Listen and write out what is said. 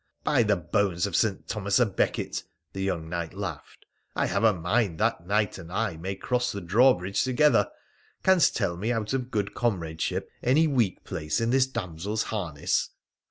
4 By the bones of St. Thomas a Becket,' the young Knight laughed, ' I have a mind that that Knight and I may cross the drawbridge together ! Canst tell me, out of good com radeship, any weak place in this damsel's harness